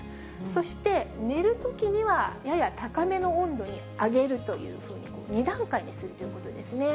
そして寝るときにはやや高めの温度に上げるというふうに、２段階にするということですね。